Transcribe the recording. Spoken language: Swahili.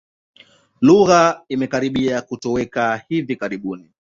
Lugha imekaribia kutoweka kabisa hivi karibuni.